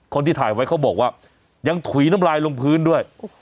คนที่ถ่ายไว้เขาบอกว่ายังถุยน้ำลายลงพื้นด้วย